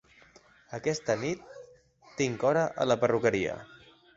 Aquesta nit tinc hora a la perruqueria.